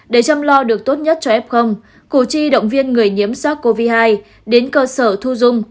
để chăm lo được tốt nhất cho f củ chi động viên người nhiễm sars cov hai đến cơ sở thu dung